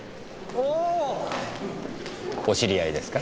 お知りあいですか？